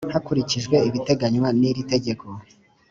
hakurikijwe ibiteganywa n iri tegeko